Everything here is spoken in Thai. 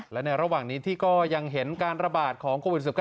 และในระหว่างนี้ที่ก็ยังเห็นการระบาดของโควิด๑๙